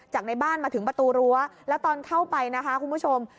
จากในบ้านมาถึงประตูรั้วแล้วตอนเข้าไปนะคะคุณผู้ชม